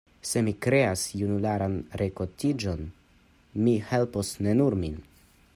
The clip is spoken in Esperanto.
Se mi kreas junularan renkontiĝon, mi helpos ne nur min.